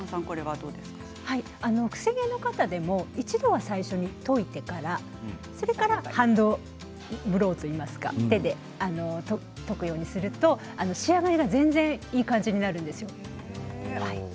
癖毛の方でも一度は最初にといてからそれからハンドブローといいますか手でとくようにすると仕上がりが全然いい感じになります。